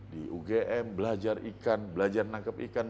di ugm belajar ikan belajar menangkap ikan